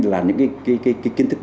là những kiến thức